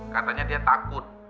katanya dia takut